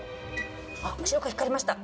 あっ、白く光りました。